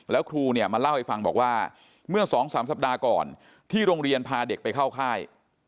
แล้วครูเนี่ยมาเล่าให้ฟังบอกว่าเมื่อ๒๓สัปดาห์ก่อนที่โรงเรียนพาเด็กไปเข้าค่าย